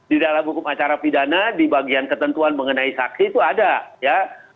di dalam hukum acara pidana di bagian ketentuan mengenai saksi itu ada ya